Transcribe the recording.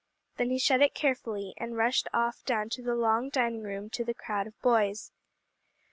Then he shut it carefully, and rushed off down to the long dining room to the crowd of boys.